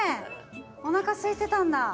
おなかすいてたんだ。